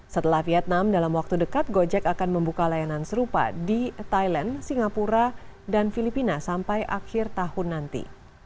setelah vietnam dalam waktu dekat gojek akan membuka layanan serupa di thailand singapura dan filipina sampai akhir tahun nanti